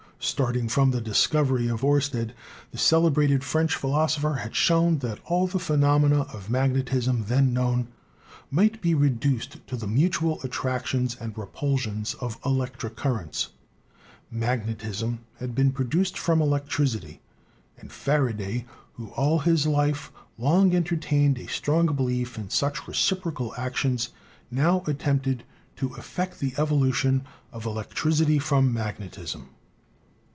Starting from the discovery of Oersted, the celebrated French philosopher had shown that all the phenomena of magnetism then known might be reduced to the mutual 186 ELECTRICITY attractions and repulsions of electric currents. Magnet ism had been produced from electricity, and Faraday, who all his life long entertained a strong belief in such recip rocal actions, now attempted to effect the evolution of electricity from magnetism.